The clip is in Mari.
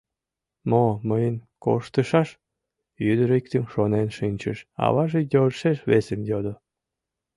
— Мо мыйын корштышаш? — ӱдыр иктым шонен шинчыш, аваже йӧршеш весым йодо.